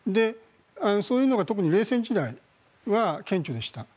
そういうのが特に冷戦時代は顕著でした。